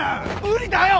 無理だよ！